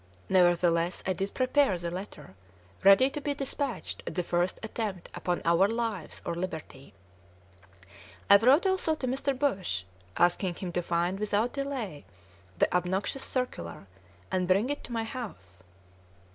Nevertheless, I did prepare the letter, ready to be despatched at the first attempt upon our lives or liberty. I wrote also to Mr. Bush, asking him to find without delay the obnoxious circular, and bring it to my house.